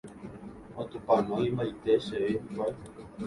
Otupanoimbaite chéve hikuái.